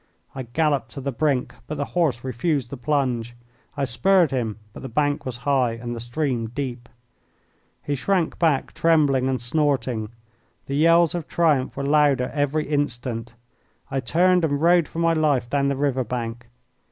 I galloped to the brink, but the horse refused the plunge. I spurred him, but the bank was high and the stream deep. He shrank back trembling and snorting. The yells of triumph were louder every instant. I turned and rode for my life down the river bank.